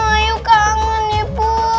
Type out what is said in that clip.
ayu kangen ya bu